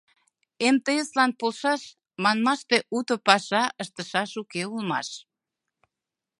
«МТС-лан полшаш» манмаште уто паша ыштышаш уке улмаш.